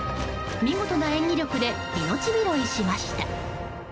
見事な演技力で命拾いしました。